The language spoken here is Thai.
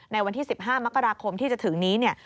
ในวันที่๑๕มกราคมที่จะถึงนี้เนี่ย